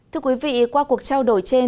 thưa quý vị qua cuộc trao đổi trên